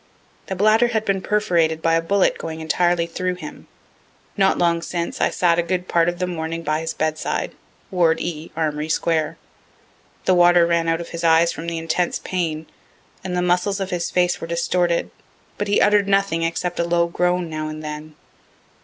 The bladder had been perforated by a bullet going entirely through him. Not long since I sat a good part of the morning by his bedside, ward E, Armory square. The water ran out of his eyes from the intense pain, and the muscles of his face were distorted, but he utter'd nothing except a low groan now and then.